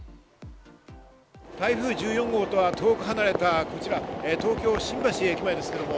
台風１４号と遠く離れた、こちら東京・新橋駅前です。